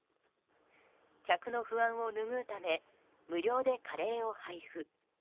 客の不安を拭うため無料でカレーを配布。